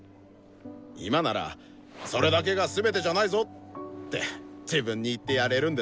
今なら「それだけがすべてじゃないぞ！」って自分に言ってやれるんですけど。